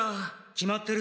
決まってる。